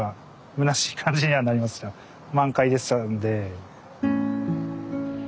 満開でしたんで。